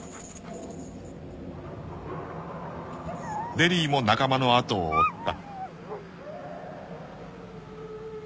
［デリーも仲間のあとを追った］